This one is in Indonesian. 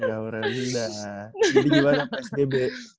ya merendah jadi gimana psdb